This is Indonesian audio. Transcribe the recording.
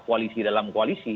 koalisi dalam koalisi